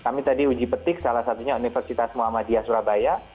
kami tadi uji petik salah satunya universitas muhammadiyah surabaya